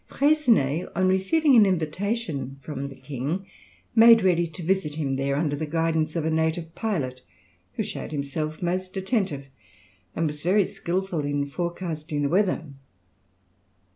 Freycinet, on receiving an invitation from the king, made ready to visit him there, under the guidance of a native pilot who showed himself most attentive, and was very skilful in forecasting the weather.